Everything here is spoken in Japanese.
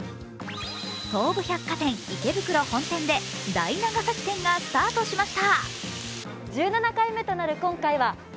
東武百貨店池袋本店で大長崎展がスタートしました。